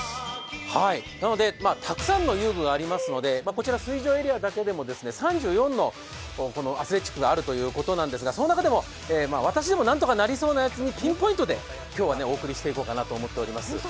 なのでたくさんの遊具がありますので、こちら水上エリアだけでも３４のアスレチックがあるということなんですが、その中でも私でも何とかなりそうなやつをピンポイントで、今日はお送りしていこうと思います。